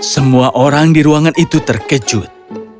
semua orang di ruangan itu terkejut